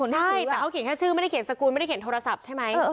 ใช่แต่เขาเขียนแค่ชื่อไม่ได้เขียนสกุลไม่ได้เขียนโทรศัพท์ใช่ไหม